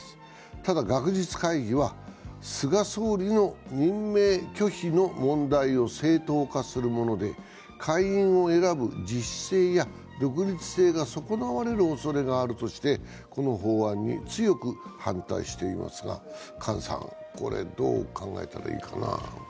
ただ学術会議は菅総理の任命拒否の問題を正当化するもので会員を選ぶ自主性や独立性が損なわれるおそれがあるとしてこの法案に強く反対していますがこれ、どう考えたらいいかな？